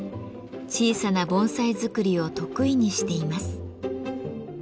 小さな盆栽作りを得意にしています。